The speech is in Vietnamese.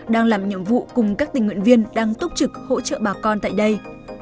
đang làm nhiệm vụ cùng các tình nguyện viên đang túc trực hỗ trợ bà con tại đây